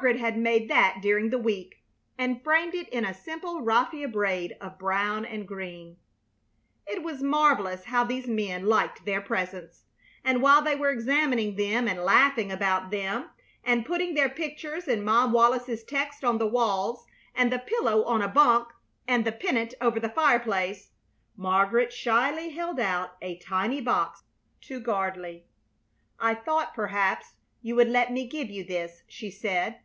Margaret had made that during the week and framed it in a simple raffia braid of brown and green. It was marvelous how these men liked their presents; and while they were examining them and laughing about them and putting their pictures and Mom Wallis's text on the walls, and the pillow on a bunk, and the pennant over the fireplace, Margaret shyly held out a tiny box to Gardley. "I thought perhaps you would let me give you this," she said.